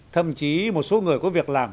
thậm chí một số người có việc làm